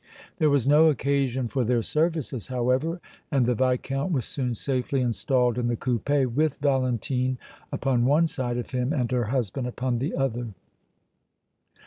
There was no occasion for their services, however, and the Viscount was soon safely installed in the coupé with Valentine upon one side of him and her husband upon the other.